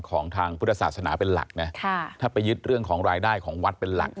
ของทางพุทธศาสนาเป็นหลักนะถ้าไปยึดเรื่องของรายได้ของวัดเป็นหลัก